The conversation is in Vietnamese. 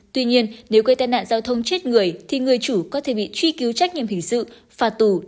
tuy nhiên nếu gây tên nạn giao thông chết người thì người chủ có thể bị truy cứu trách nhiệm hình sự phạt tù lên đến một mươi năm